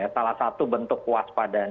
salah satu bentuk kewaspadaan